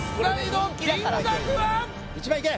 １万いけ！